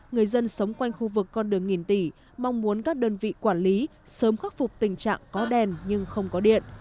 người dân sống quanh khu vực con đường nghìn tỷ mong muốn các đơn vị quản lý sớm khắc phục tình trạng có đèn nhưng không có điện